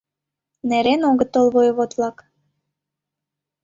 Нерен огытыл воевод-влак